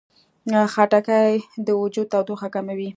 خټکی د وجود تودوخه کموي.